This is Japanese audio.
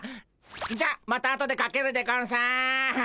じゃあまたあとでかけるでゴンス。